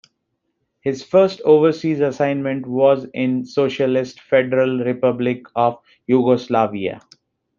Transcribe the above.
His first overseas assignment was in the Socialist Federal Republic of Yugoslavia.